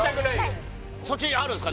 そっちあるんすか？